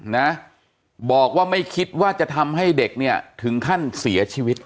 นะบอกว่าไม่คิดว่าจะทำให้เด็กเนี่ยถึงขั้นเสียชีวิต